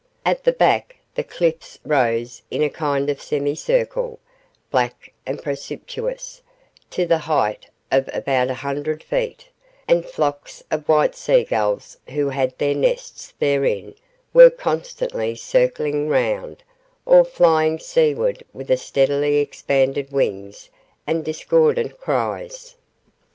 At the back the cliffs rose in a kind of semi circle, black and precipitous, to the height of about a hundred feet, and flocks of white seagulls who had their nests therein were constantly circling round, or flying seaward with steadily expanded wings and discordant cries.